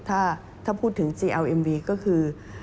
ประกอบกับต้นทุนหลักที่เพิ่มขึ้น